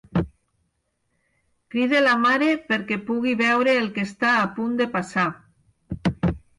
Crida la mare perquè pugui veure el que està a punt de passar.